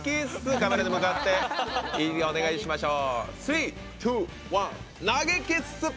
カメラに向かってお願いしましょう。